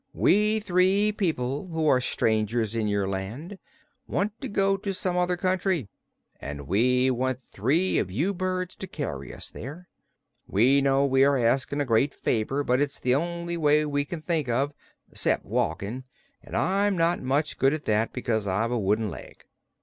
"We three people who are strangers in your land want to go to some other country, and we want three of you birds to carry us there. We know we are asking a great favor, but it's the only way we can think of excep' walkin', an' I'm not much good at that because I've a wooden leg.